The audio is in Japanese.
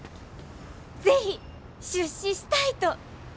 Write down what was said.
是非出資したいと！